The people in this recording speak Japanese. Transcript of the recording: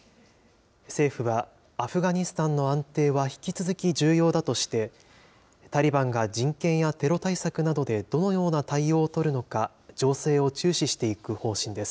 政府は、アフガニスタンの安定は引き続き重要だとして、タリバンが人権やテロ対策などでどのような対応を取るのか、情勢を注視していく方針です。